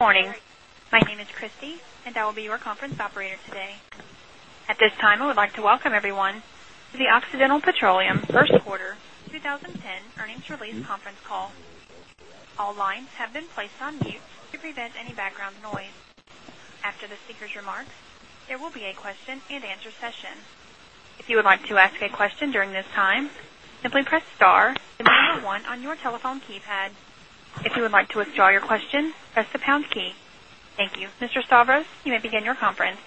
Good morning. My name is Christie, and I will be your conference operator today. At this time, I would like to welcome everyone to the Occidental Petroleum First Quarter 20 10 Earnings Release Conference Call. All lines have been placed on mute to prevent any background noise. After the speakers' remarks, there will be a question and answer session. You. Mr. Stavros, you may begin your conference.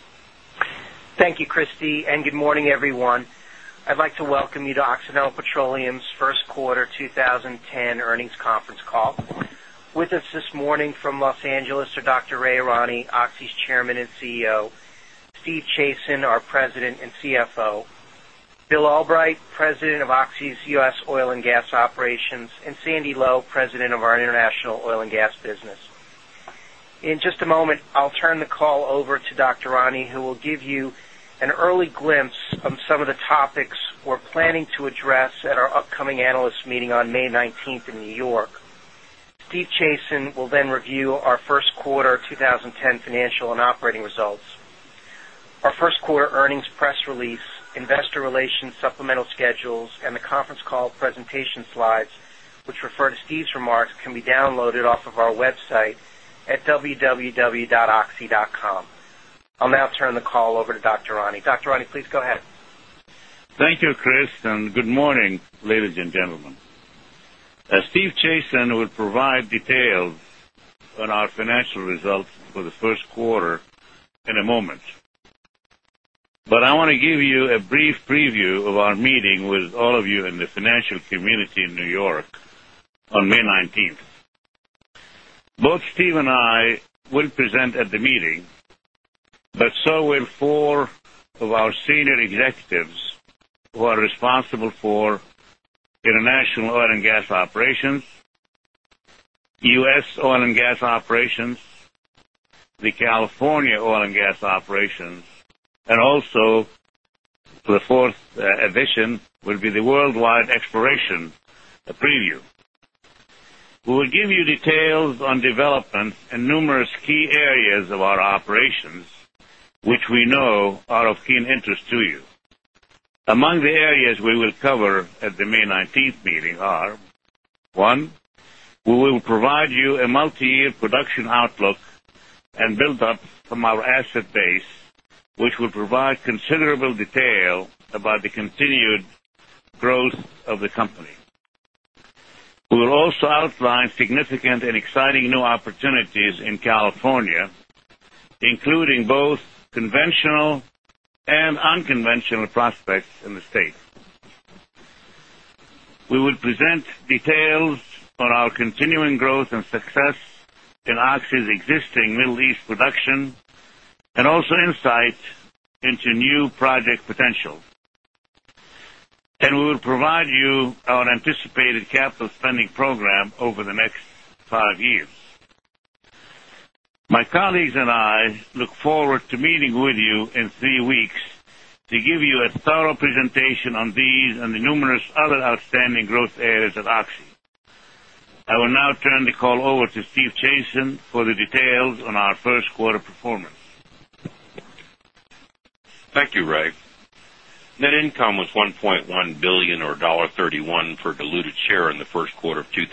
Thank you, Christy, and good morning, everyone. I'd like to welcome you to Occidental Petroleum's Q1 2010 earnings conference call. With us this morning from Los Angeles are Doctor. Ray Arani, Oxy's Chairman and CEO Steve Chasen, our President and CFO Bill Albright, President of Oxy's U. S. Oil and Gas Operations and Sandy Lowe, President of International Oil and Gas Business. In just a moment, I'll turn the call over to Doctor. Ronny, who will give you an early glimpse of some of the topics we're planning to address at our upcoming Analyst Meeting on May 19 in New York. Steve Chasen will then review our Q1 20 10 financial and operating results. Our Q1 earnings press release, Investor Relations supplemental schedules and the conference call presentation slides, which refer to Steve's remarks, can be downloaded off of our website at www.oxy.com. I'll now turn the call over to Doctor. Ronny. Doctor. Ronny, please go ahead. Thank you, Chris, and good morning, ladies and gentlemen. As Steve Chasen will provide details on our financial results for the Q1 in a moment. But I want to give you a brief preview of our meeting with all of you in the financial community in New York on May 19. Both Steve and I will present at the meeting, but so will 4 of our senior executives who are responsible for international oil and gas operations, U. S. Oil and gas operations, the California Oil and Gas Operations and also the 4th edition will be the worldwide exploration preview. We will give you details on development and numerous key areas of our operations, which we know are of keen interest to you. Among the areas we will cover at the May 19 meeting are: 1, we will provide you a multiyear production outlook and buildup from our asset base, which will provide considerable detail about the continued growth of the company. We will also outline significant and exciting new opportunities in California, including both conventional and unconventional prospects in the state. We will present details on our continuing growth and success in Oxy's existing Middle East production and also insight into new project potential. And we will provide you our anticipated capital spending program over the next 5 years. My colleagues and I look forward to meeting with you in 3 weeks to give you a thorough presentation on these and the numerous other outstanding growth areas of Oxy. I will now turn the call over to Steve Chasen for the details on our Q1 performance. Thank you, Ray. Net income was $1,100,000,000 or $1.31 per diluted share in the Q1 of 20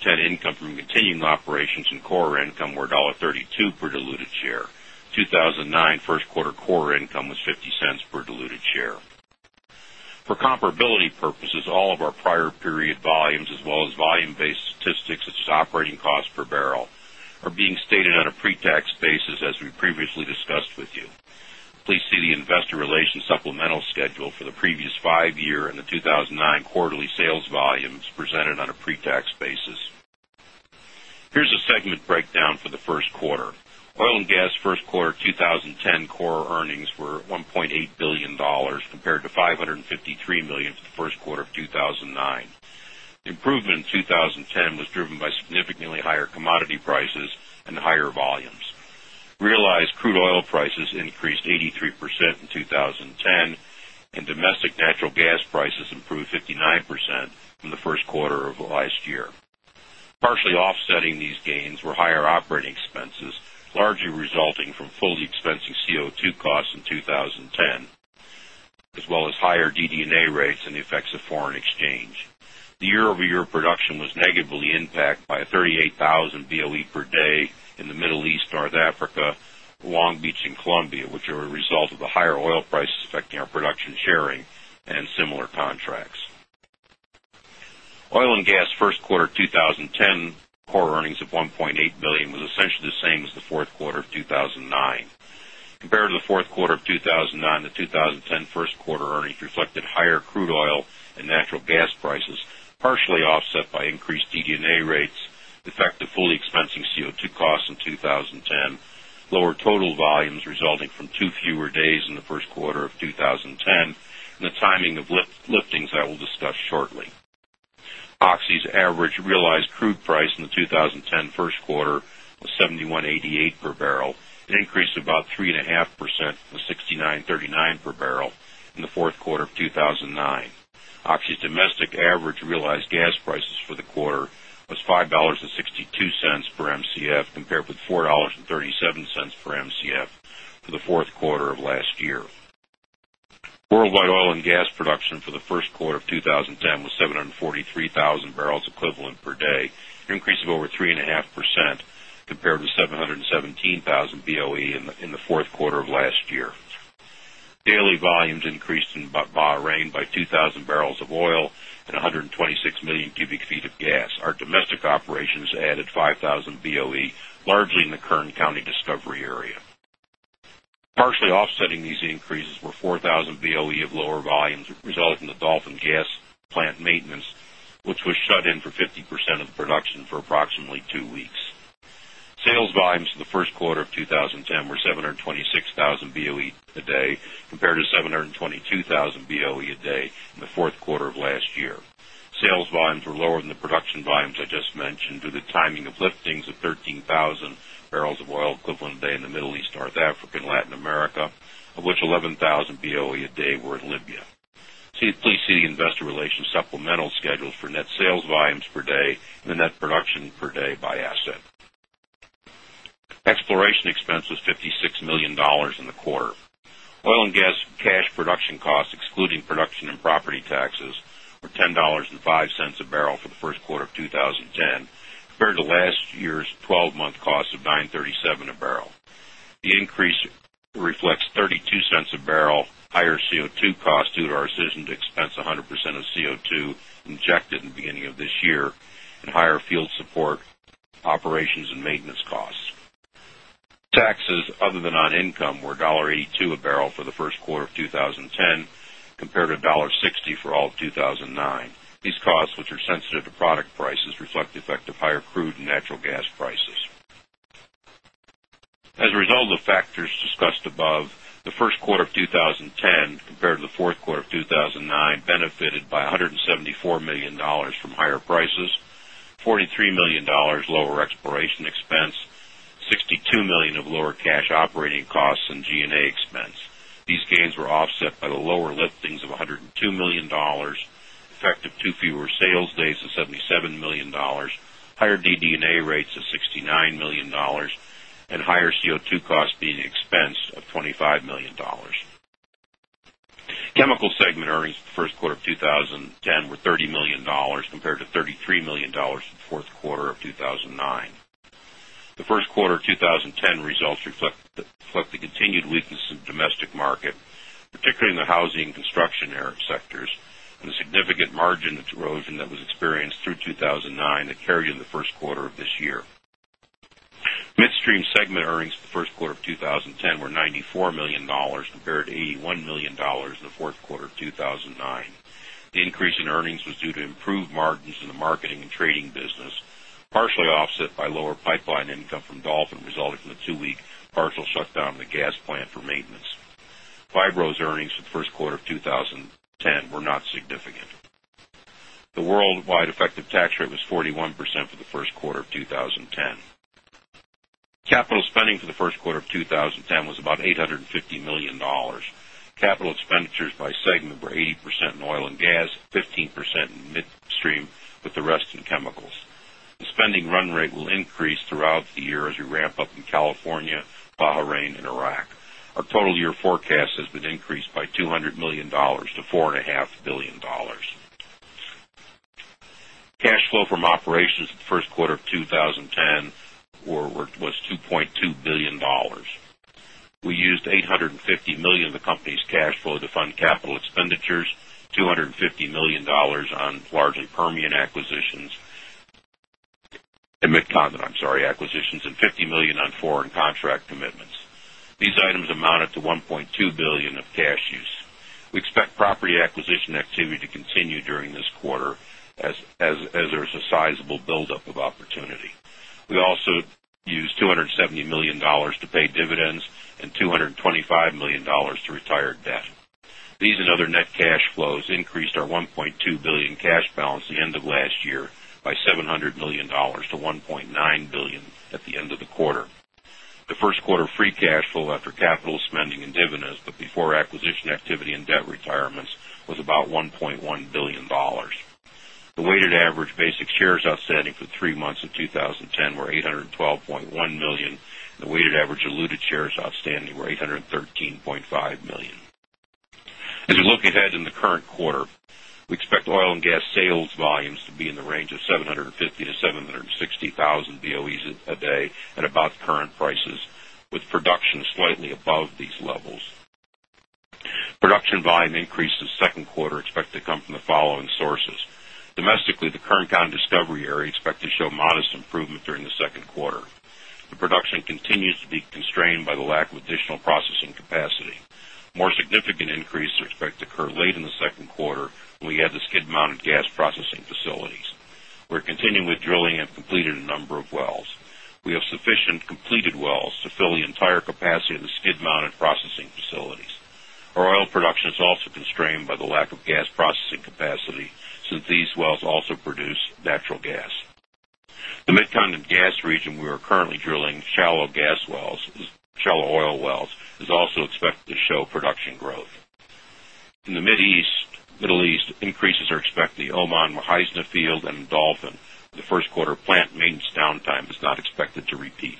10 income from continuing operations and core income were $1.32 per diluted share. 2,009 Q1 core income was $0.50 per diluted share. For comparability purposes, all of our prior period volumes as well as volume based statistics such as operating cost per barrel are being stated on a pre tax basis as we previously discussed with you. Please see the Investor Relations supplemental schedule for the previous 5 year and the 2,009 quarterly sales volumes presented on a pre tax basis. Here's a segment breakdown for the Q1. Oil and Gas Q1 20 10 core earnings were 1.8 $1,000,000,000 compared to $553,000,000 for the Q1 of 2019. The improvement in 20 10 was driven by significantly higher and domestic natural gas prices improved 59% from the Q1 of last year. Partially offsetting these gains were higher operating expenses, largely resulting from fully expensing CO2 costs in 20.10 as well as higher DD and A rates and the effects of foreign exchange. The year over year production was negatively impacted by 38,000 BOE per day in the Middle East, North Africa, Long Beach and Colombia, which are a result of the higher oil prices affecting our production sharing and similar contracts. Oil and Gas Q1 2010 core earnings of $1,800,000 was essentially the same as the Q4 of 2,009. Compared to the Q4 of 2,009, the 20 10 Q1 earnings reflected higher crude oil and natural gas prices, partially offset by increased DD and A rates, effective fully expensing CO2 costs in 20 10, lower total volumes resulting from 2 fewer days in the Q1 of 2010 and the timing of liftings I will discuss shortly. Oxy's average realized crude price in the 20 10 Q1 was $71.88 per barrel, an increase of about 3.5 percent to $69.39 per barrel in the Q4 of 2,009. Oxy's domestic average realized gas prices for the quarter was 5.6 $2 per Mcf compared with $4.37 per Mcf for the Q4 of last year. Worldwide oil and gas production for the Q1 of 2010 was 743,000 barrels equivalent per day, an increase of over 3.5% compared with 717,000 BOE in the Q4 of last year. Daily volumes increased in Bahrain by 2,000 barrels of oil and 126,000,000 cubic feet of gas. Our domestic operations added 5,000 BOE, largely in the Kern County discovery area. Partially offsetting these increases were 4,000 BOE of lower volumes resulting in the Dolphin Gas Plant maintenance, which was shut in for 50% of the production for approximately 2 weeks. Sales volumes for the Q1 of 2010 were 726,000 BOE a day compared to 722,000 BOE a day in the Q4 of last year. Sales volumes were lower than the production volumes I just mentioned due to the timing of liftings of 13,000 barrels of oil equivalent a day in the Middle East, North Africa and Latin America, of which 11,000 BOE a day were in Libya. Please see the Investor Relations supplemental schedules for net sales volumes per day and the net production per day by asset. Exploration expense was $56,000,000 in the quarter. Oil and Gas cash production costs excluding production and property taxes were $10.05 a barrel for the Q1 of 2010 compared to last year's 12 month cost of $9.37 a barrel. The increase reflects $0.32 a barrel, higher CO2 cost due to our decision to expense 100 percent of CO2 injected in the beginning of this year and higher field support, operations and maintenance costs. Taxes other than non income were $1.82 a barrel for the Q1 of 20.10 10 compared to $1.60 for all of 2,009. These costs which are sensitive to product prices reflect the effect of higher crude and natural gas prices. As a result of factors discussed above, the Q1 of 2010 compared to the Q4 of 2019 benefited by 100 $74,000,000 from higher prices, dollars 43,000,000 lower exploration expense, dollars 62,000,000 dollars of lower cash operating costs and G and A expense. These gains were offset by the lower listings of $102,000,000 effective 2 fewer sales days of $77,000,000 higher DD and A rates of $69,000,000 and higher CO2 costs being expensed of $25,000,000 Chemical segment earnings for the Q1 of 20 10 were $30,000,000 compared to $33,000,000 in the Q4 of 2,009. The Q1 of 2010 results reflect the continued weakness in domestic market, particularly in the housing and construction area sectors and the significant margin erosion that was experienced through 2,009 that carried in the Q1 of this year. Midstream segment earnings for the Q1 of 2010 were $94,000,000 compared to 81 dollars 1,000,000 in the Q4 of 2019. The increase in earnings was due to improved margins in the marketing and trading business, partially offset by lower pipeline income from Dolphin resulting from a 2 week partial shutdown of the gas plant for maintenance. Fibro's earnings for the Q1 of 20 10 were not significant. The worldwide effective tax rate was 41% for the Q1 of 2010. Capital spending for the Q1 of 2010 was about $850,000,000 Capital expenditures by segment were 80% in oil and gas, 15% in mid stream with the rest in chemicals. The spending run rate will increase throughout the year as we ramp up in California, Bahrain and Iraq. Our total year forecast has been increased by $200,000,000 to $4,500,000,000 Cash flow from operations in the Q1 of 2010 was $2,200,000,000 We used $850,000,000 of the company's cash flow to fund capital expenditures, dollars 250,000,000 on largely Permian acquisitions and Mid Continent, I'm sorry, acquisitions and $50,000,000 on foreign contract commitments. These items amounted to $1,200,000,000 of cash use. We property acquisition activity to continue during this quarter as there is a sizable buildup of opportunity. We also used $270,000,000 to pay dividends and $225,000,000 to retire debt. These and other net cash flows increased our $1,200,000,000 cash balance at the end of last year by $700,000,000 to $1,900,000,000 at the end of the quarter. The Q1 free cash flow after capital spending and dividends, but before acquisition activity and debt retirements was about $1,100,000,000 The weighted average basic shares outstanding for 3 months of 2010 were 812,100,000 and the weighted average diluted shares outstanding were 813 0.5000000. As we look ahead in the current quarter, we expect oil and gas sales volumes to be in the range of 700 and 50,000 to 760,000 BOEs a day at about current prices with production slightly above these levels. Production volume increased in the 2nd quarter expected to come from the following sources. Domestically, the Kerncon discovery area expect to show modest improvement during the Q2. The production continues to be constrained by the lack of additional processing capacity. More significant increases are expected to occur late in the Q2 when we add the skid mounted gas processing facilities. We're continuing with drilling and completed a number of wells. Have sufficient completed wells to fill the entire capacity of the skid mounted processing facilities. Our oil production is also constrained by the lack of gas processing capacity since these wells also produce natural gas. The Mid Continent gas region we are currently drilling shallow gas wells, shallow oil wells is also expected to show production growth. In the Middle East, increases are expected in Oman, Mohisena field and Dolphin. The Q1 plant maintenance downtime is not expected to repeat.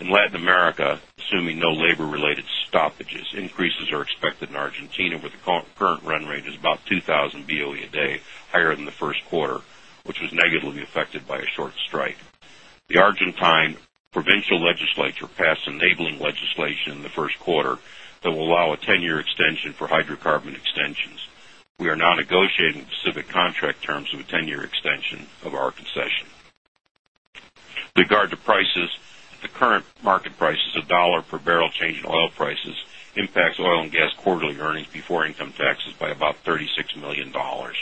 In Latin America, assuming no labor related stoppages, increases are expected in Argentina with the current run rate is about 2,000 BOE a day higher than the Q1, which was negatively affected by a short strike. The Argentine provincial legislature passed enabling legislation in the Q1 that will allow a 10 year extension for hydrocarbon extensions. We are now negotiating specific contract terms with 10 year extension of our concession. With regard to prices, the current market price is $1 per barrel change in oil prices impacts oil and gas quarterly earnings before income taxes by about $36,000,000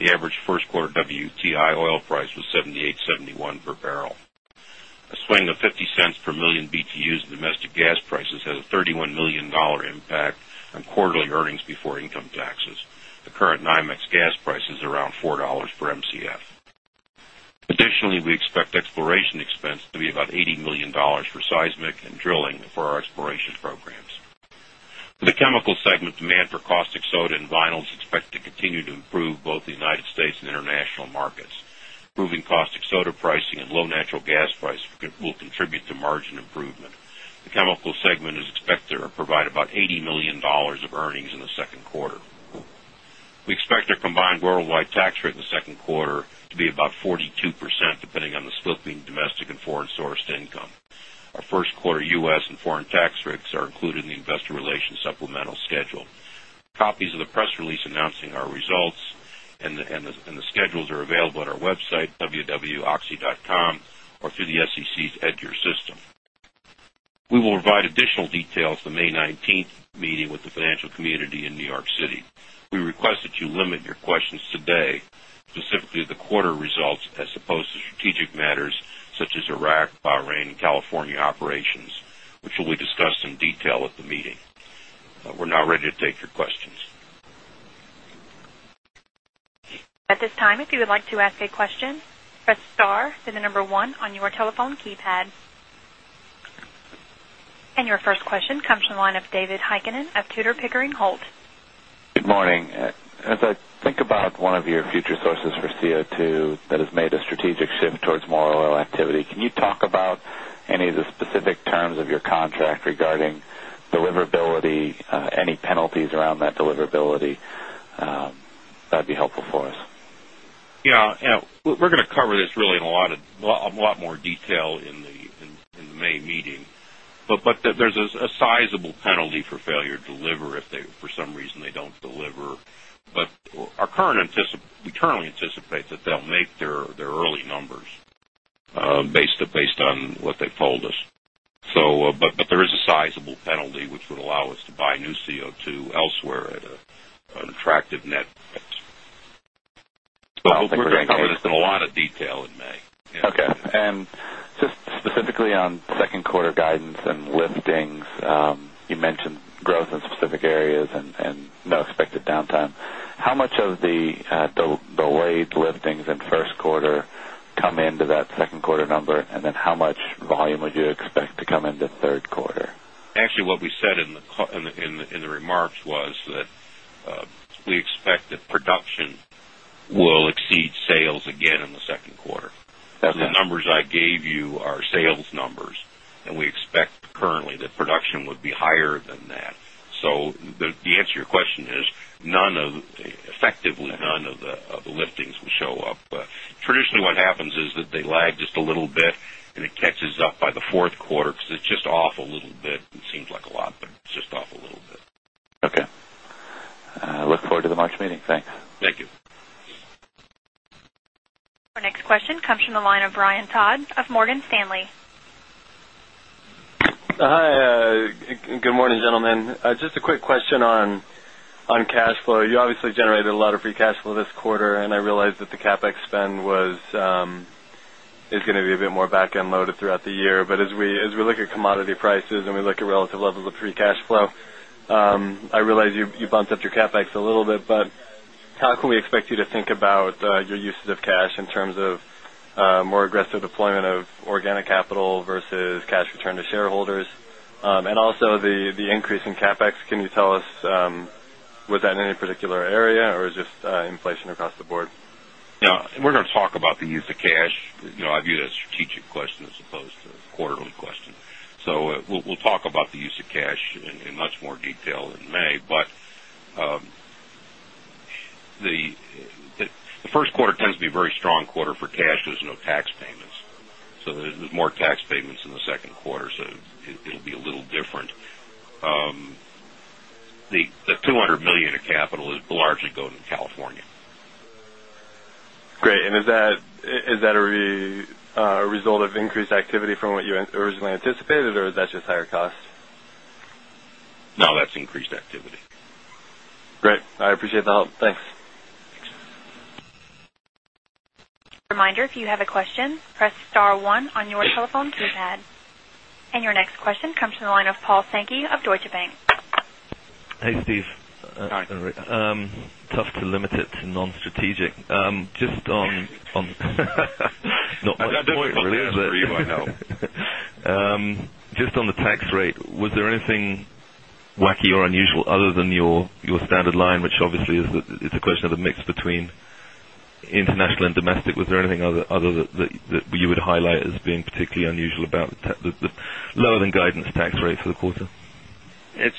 average Q1 WTI oil price was $78.71 per barrel. A swing of $0.50 per 1,000,000 BTUs in domestic gas prices has a 31,000,000 dollars impact on quarterly earnings before income taxes. The current NYMEX gas price is around $4 per Mcf. Additionally, we expect exploration expense to be about $80,000,000 for seismic and drilling for our exploration programs. For the Chemical segment, demand for caustic soda and vinyls is expected to continue to improve both the United States and international markets. Moving caustic soda pricing and low natural gas price will contribute to margin improvement. The Chemical segment is expected to provide about $80,000,000 of earnings in the 2nd quarter. We expect our combined worldwide tax rate in the second quarter be about 42% depending on the split between domestic and foreign sourced income. Our Q1 U. S. And foreign tax rates are included in the Investor Relations supplemental schedule. Copies of the press release announcing our results and the schedules are available at our website, www.oxy.com or through the SEC's EDGAR system. We will provide additional details on May 19 meeting with the financial community in New York City. We request that you limit your questions today, specifically the quarter results as opposed to strategic matters such as Iraq, Bahrain and California operations, which will be discussed in detail at the meeting. We're now ready to take your questions. And your first question comes from the line of David Heikkinen of Tudor, Pickering, Holt. Good morning. As I think about one of your future sources for CO2 that has made a strategic shift towards more oil activity, can you talk about any of the specific terms of your contract regarding deliverability, any penalties around that deliverability? That would be helpful for us. Yes. We're going to cover this really in a lot more detail in the May meeting. But there's a sizable penalty for failure to deliver if for some reason they don't deliver. But our current we currently anticipate that they'll make their early numbers based on what they told us. So but there is a sizable penalty, which would allow us to buy new CO2 elsewhere at an attractive net price. So I hope we're going to cover this in a lot of detail in May. Okay. And specifically on Q2 guidance and liftings, you mentioned growth in specific areas and no expected downtime. How much of the delayed liftings in Q1 come into that Q2 number? And then how much volume would you expect to come into Q3? Actually what we said in the remarks was that we expect that production will exceed sales again in the 2nd quarter. The numbers I gave you are sales numbers and we expect currently that production would be higher than that. So the answer to your question is none of effectively none of the liftings will show up. Traditionally what happens is that they lag just a little bit and it catches up by the Q4 because it's just off a little bit. It seems like a lot, but just off a little bit. Okay. I look forward to the March meeting. Thanks. Thank you. Our next question comes from the line of Brian Todd of Morgan Stanley. Hi. Good morning, gentlemen. Just a quick question on cash flow. You obviously generated a lot of free cash flow this quarter and I realized that the CapEx spend was going to be a bit more back end loaded throughout the year. But as we look at commodity prices and we look at relative levels of free cash flow, I realize you bumped up your CapEx a little bit, but how can we expect you to think about your uses of cash in terms of more aggressive deployment of organic capital versus cash return to shareholders? And also the increase in CapEx, can you tell us was that in any particular area or is just inflation across the board? No. We're going to talk about the use of cash. I view that strategic question as opposed to quarterly question. So we'll talk about the use of cash in much more detail in May. But the Q1 tends to be very strong quarter for cash. There's no tax payments. So there's more tax payments in the Q2. So it will be a little different. The $200,000,000 of capital is largely going to California. Great. And is that of increased activity from what you originally anticipated or is that just higher cost? No, that's increased activity. Great. I appreciate the help. Thanks. And your next question comes from the line of Paul Sankey of Deutsche Bank. Hey, Steve. Tough to limit it to non strategic. Just on the tax rate, was there anything wacky or unusual other than your standard line, which obviously is it's a question of the mix between international and domestic. Was there anything other that you would highlight as being particularly unusual about the lower than guidance tax rate for the quarter? It's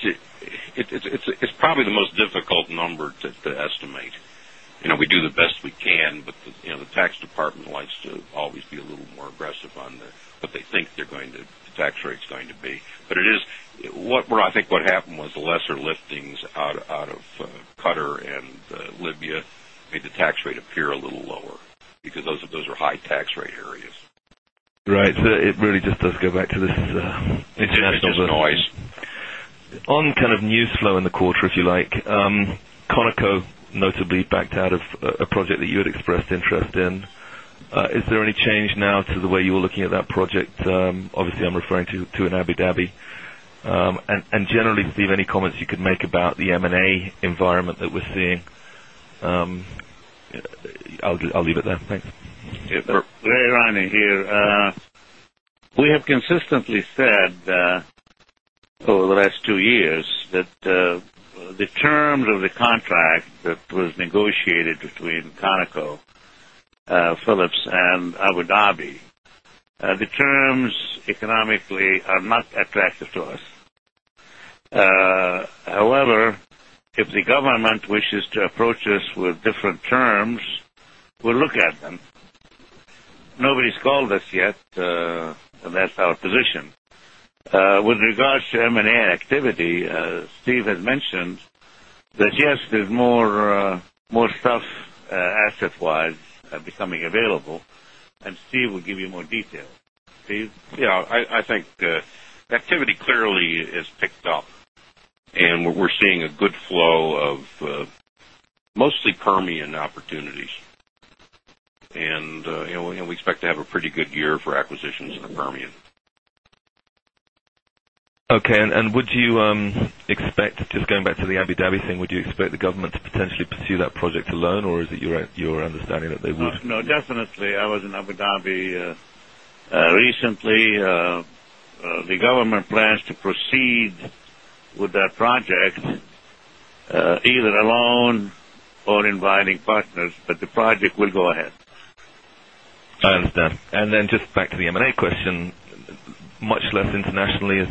tax department likes to always be a little more aggressive on what they think they're going to tax rate is going to be. But it is what I think what happened was the lesser liftings out of Qatar and Libya made the tax rate appear a little lower because those are high tax rate areas. Right. So it really just does go back to this international noise. On kind of news flow in the quarter, if you like, Conoco notably backed out of a project that you had expressed interest in. Is there any change now to the way you were looking at that project? Obviously, I'm referring to an Abu Dhabi. And generally, Steve, any comments you could make about the M and A environment that we're seeing? I'll leave it there. Thanks. Ray Roni here. We have consistently said over the last 2 years that the terms of the contract that was negotiated between Conoco, Phillips and Abu Dhabi, the terms economically are not attractive to us. However, if the government wishes to approach us with different terms, we'll look at them. Nobody's called us yet and that's our position. With regards to M and Steve, and Steve will give you more detail. Steve? Yes. I think activity clearly has picked up and we're seeing a good flow of mostly Permian opportunities and we expect to have a pretty good year for acquisitions in the Permian. Okay. And would you expect just going back to the Abu Dhabi thing, would you expect the government to potentially pursue that project alone or is it your understanding that they will? No, definitely. I was in Abu Dhabi recently. The government plans to proceed with that project either alone or inviting partners, but the project will go ahead. I understand. And then just back to the M and A question, much less internationally, It's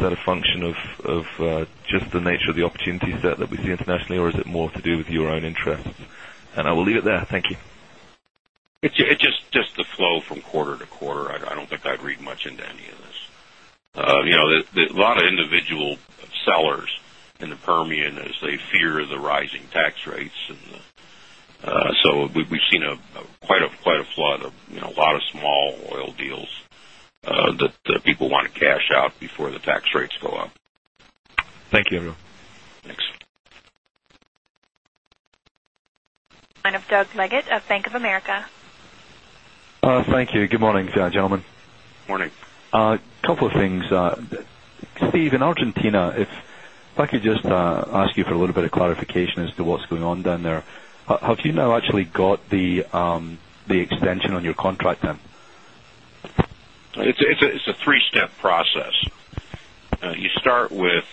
just the flow from quarter to quarter. I don't think I'd read much into any of this. A lot of individual sellers in the Permian as they fear the rising tax rates. So we've seen quite a flood of a lot of small oil deals that people want to cash out before the tax rates go up. Thank you, everyone. Thanks. The line of Doug Leggate of Bank of America. Thank you. Good morning, gentlemen. Good morning. A couple of things. Steve, in Argentina, if I could just ask you for a little bit of clarification as to what's going on down there. Have you now actually got the extension on your contract then? It's a 3 step process. You start with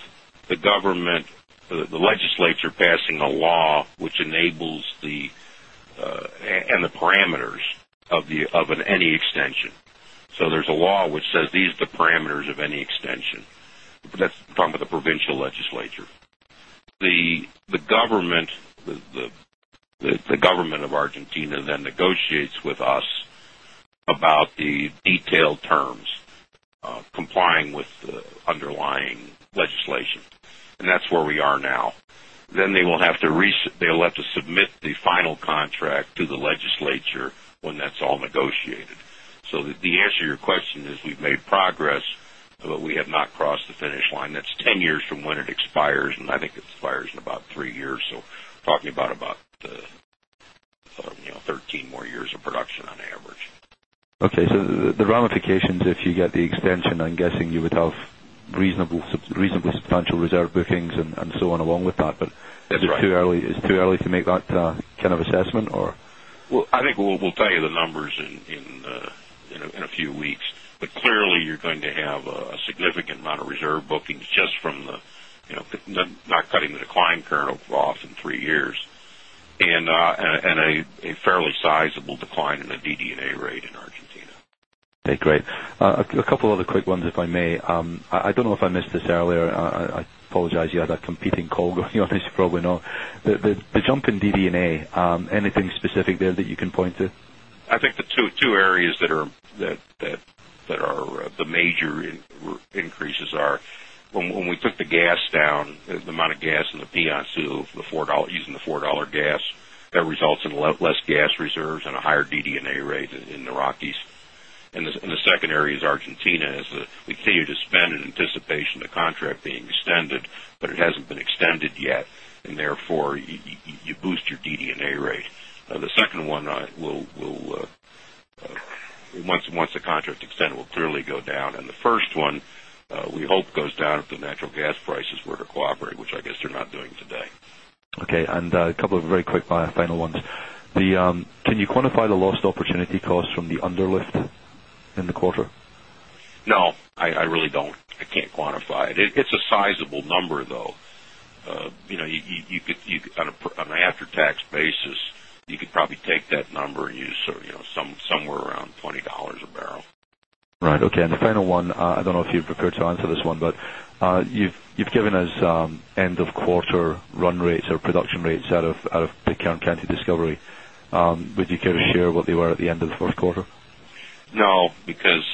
the government, the legislature passing a law which enables the and the parameters of any extension. So there's a law which says these are the parameters of any extension. That's talking about the provincial legislature. The government of Argentina then negotiates with us about the detailed terms complying with the underlying legislation. And that's where we are now. Then they will have to submit the final contract to the legislature when that's all negotiated. So the answer to your question is we've made progress, but we have not crossed the finish line. That's 10 years from when it expires and I think it expires in about 3 years. So talking about 13 more years of production on average. Okay. So the ramifications, if you get the extension, I'm guessing you would have reasonably substantial reserve bookings and so on along with that, but it's too early to make that kind of assessment or Well, I think we'll tell you the numbers in a few weeks. But clearly, you're going to have a significant amount of reserve bookings just from the not cutting the decline curve off in 3 years and a fairly sizable decline in the DD and A rate in Argentina. Okay, great. A couple of other quick ones, if I may. I don't know if I missed this earlier. I apologize you had a competing call going on, you probably know. The jump in DD and A, anything specific there that you can point to? I think the two areas that are the major increases are. When we took the gas down, the amount of gas in the Piansoo, the $4 using the $4 gas results in less gas reserves and a higher DD and A rate in the Rockies. And the second area is Argentina. As we continue to spend in anticipation of the contract being extended, but it hasn't been extended yet and therefore you boost your DD and A rate. The second one will once the contract extend will clearly go down. And the first one, we hope goes down if the natural gas prices were to cooperate, which I guess they're not doing today. Okay. And a couple of very quick final ones. Can you quantify the lost opportunity costs from the underlift in the quarter? No, I really don't. I can't quantify it. It's a sizable number though. You could on an after tax basis, you could probably take that number and use somewhere around $20 a barrel. Right. Okay. And the final one, I don't know if you've prepared to answer this one, but you've given us end of quarter run rates or production rates out of the Kern County discovery. Would you care to share what they were at the end of the Q1? No, because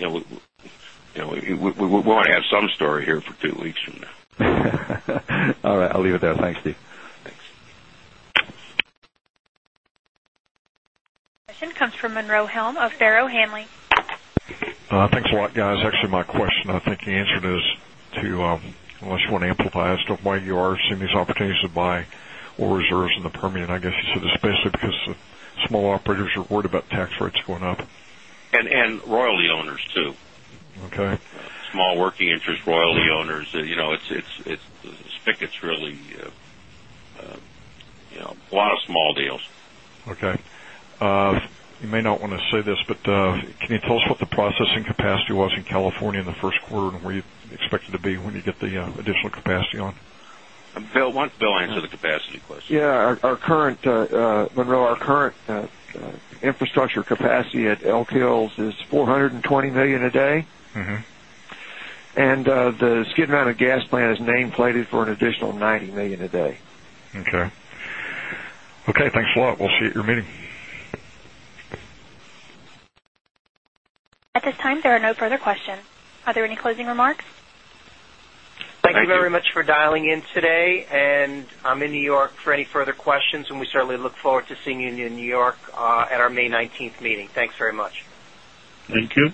we want to have some story here for 2 weeks from now. All right. I'll leave it there. Thanks, Steve. Thanks. Question comes from Monroe Helm of Farrow Hanley. Thanks a lot guys. Actually my question, I think the answer is to unless you want to amplify as to why you are seeing these opportunities to buy oil reserves in the Permian. I guess you said it's basically because small operators are worried about tax rates going up. And royalty owners too. Okay. Small working interest royalty owners. It's spigots really a lot of small deals. Okay. You may not want to say this, but can you tell us what the processing capacity was in California in the Q1 and where you expect it to be when you get the additional capacity on? Bill, why don't Bill answer the capacity question? Yes. Monroe, our current infrastructure capacity at Elk Hills is 420,000,000 a day. And the Skid Mountain gas plant is name plated for an additional $90,000,000 a day. Okay. Okay, thanks a lot. We'll see you at your meeting. At this time, there are no further questions. Are there any closing remarks? Thank you very much for dialing in today. And I'm in New York for any further questions and we certainly look forward to seeing you in New York at our May 19 meeting. Thanks very much. Thank you.